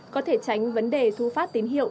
có thể tránh vấn đề thu phát tín hiệu